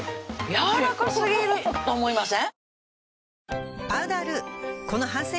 柔らかすぎると思いません？